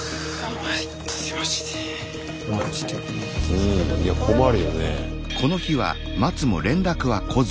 うんいや困るよね。